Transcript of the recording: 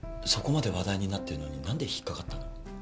そこまで話題になってるのに何で引っ掛かったの？